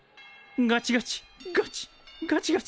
ガチガチガチガチガチ。